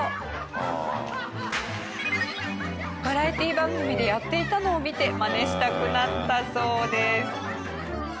バラエティ番組でやっていたのを見てマネしたくなったそうです。